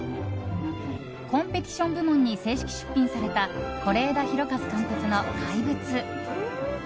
コンペティション部門に正式出品された是枝裕和監督の「怪物」。